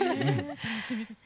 楽しみですね。